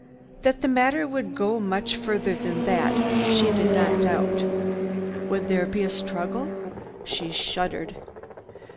That the matter would go much farther than that, she did not doubt. Would there be a struggle? She shuddered.